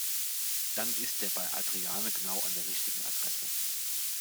Dann ist er bei Adriane genau an der richtigen Adresse.